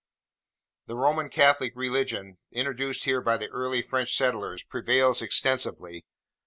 The Roman Catholic religion, introduced here by the early French settlers, prevails extensively.